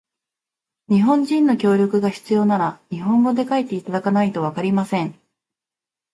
日本人の協力が必要なら、日本語で書いていただかないとわかりません。